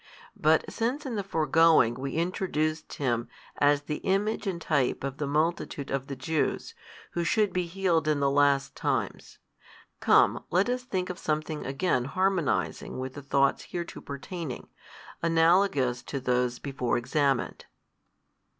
But since in the foregoing we introduced him as the image and type of the multitude of the Jews, who should be healed in the last times: come let us think of something again harmonizing with the thoughts hereto pertaining, analagous to those before examined.